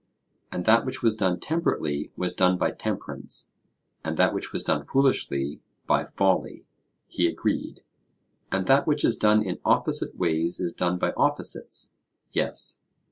And that which was done temperately was done by temperance, and that which was done foolishly by folly? He agreed. And that which is done in opposite ways is done by opposites? Yes.